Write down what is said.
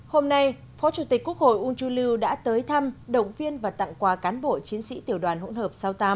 hôm nay phó chủ tịch quốc hội uông chu lưu đã tới thăm động viên và tặng quà cán bộ chiến sĩ tiểu đoàn hỗn hợp sáu mươi tám